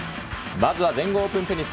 まずは全豪オープンテニス。